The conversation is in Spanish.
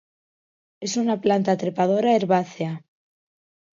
Es una planta trepadora herbácea.